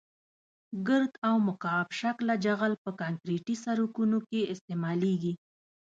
ګرد او مکعب شکله جغل په کانکریټي سرکونو کې استعمالیږي